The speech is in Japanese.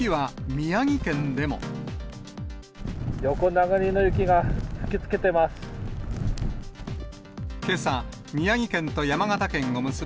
横殴りの雪が吹きつけてます。